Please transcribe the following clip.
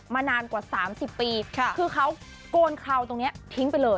มานานกว่าสามสิบปีค่ะคือเขาโกนเขาตรงเนี้ยทิ้งไปเลย